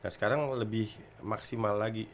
sekarang lebih maksimal lagi